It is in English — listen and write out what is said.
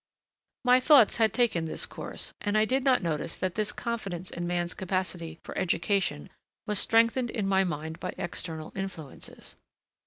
My thoughts had taken this course, and I did not notice that this confidence in man's capacity for education was strengthened in my mind by external influences.